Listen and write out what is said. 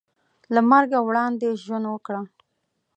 له مرګه وړاندې ژوند وکړه .